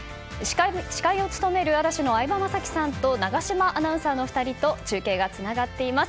司会を務める嵐の相葉雅紀さんと永島アナウンサーの２人と中継がつながっています。